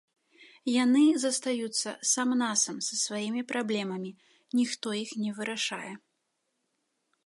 Яны застаюцца сам-насам са сваімі праблемамі, ніхто іх не вырашае.